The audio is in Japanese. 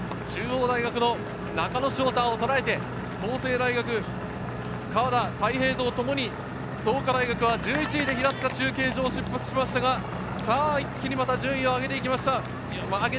中央大学・中野翔太をとらえて河田太一平とともに創価大学は１１位で平塚中継所を出発しましたが、一気に順位を上げていきます。